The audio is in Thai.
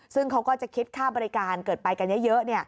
ซึ่งเขาก็จะคิดค่าบริการเกิดไปกันเยอะ